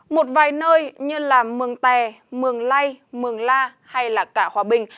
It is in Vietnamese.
một vài nơi như là mường tè mường lây mường la hay là cả hòa bình